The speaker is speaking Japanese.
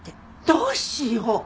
どうしよう！